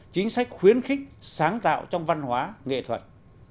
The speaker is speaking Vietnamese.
chính sách khuyến khích sáng tạo trong văn hóa nghệ thuật